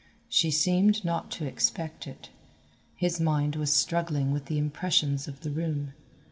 She seemed not to expect it. His mind was struggling with the impressions of the room.